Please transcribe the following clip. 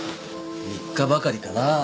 ３日ばかりかな